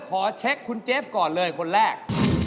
ขอเช็คคุณเจฟก่อนเลยคนแรก